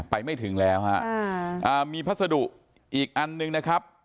ไม่ถึงแล้วฮะมีพัสดุอีกอันหนึ่งนะครับ